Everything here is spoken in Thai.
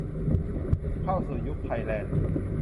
เข้าสู่ยุคไทยแลนด์